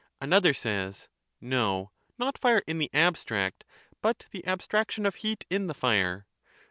Another says, ' No, not fire in the abstract, but the abstraction of heat in the fire.'